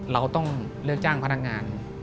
เราต้องเลือกจ้างพนักงาน